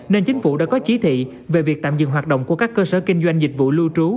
nên chính phủ đã có chỉ thị về việc tạm dừng hoạt động của các cơ sở kinh doanh dịch vụ lưu trú